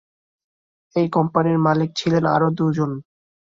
এই কোম্পানীর মালিক ছিলেন আরও দুজন।